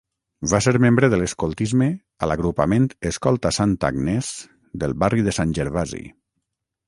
Va ser membre de l'escoltisme a l'Agrupament Escolta Santa Agnès del barri de Sant Gervasi.